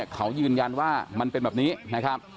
เขายืดยันว่ามันเป็นแบบนี้